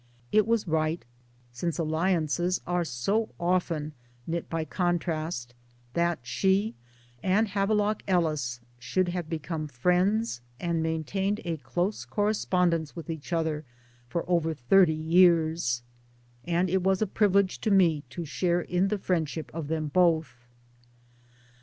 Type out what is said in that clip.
It was right since alliances are so often knit by contrast that she and Havelock Ellis should have become friends and maintained a close correspondence with each other for over thirty years ; and it was a privilege to me to share in the friendship of them both.